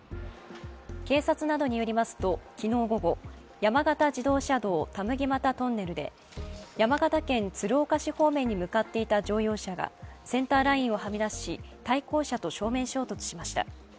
警察などによりますと昨日午後、山形自動車道・田麦俣トンネルで山形県鶴岡市方面に向かっていた乗用車がセンターラインをはみ出し対向車と正面衝突しました。